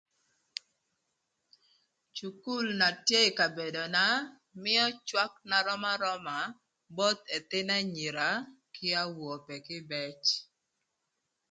Cukul na tye ï kabedona mïö cwak na röm aröma both ëthïn anyira kï awope kïbëc.